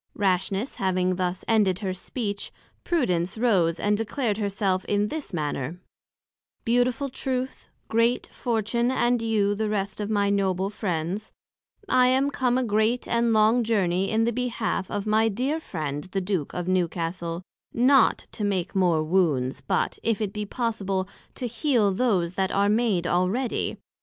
Rashness having thus ended her Speech, Prudence rose and declared her self in this manner: Beautiful Truth, Great Fortune, and you the rest of my noble Friends; I am come a great and long journey in the behalf of my dear Friend the Duke of Newcastle; not to make more wounds, but, if it be possible, to heal those that are made already.